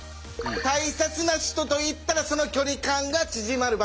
大切な人と行ったらその距離感が縮まる場所。